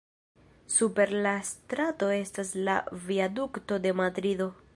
Super la strato estas la Viadukto de Madrido.